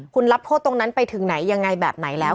คุณรับโทษตรงนั้นไปถึงไหนยังไงแบบไหนแล้ว